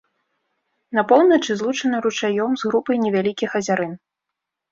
На поўначы злучана ручаём з групай невялікіх азярын.